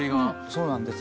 そうなんです